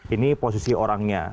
ini posisi orangnya